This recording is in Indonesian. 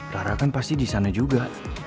rara kan pasti disana juga